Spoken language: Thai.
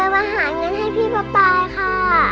มาหาเงินให้พี่ประปายค่ะ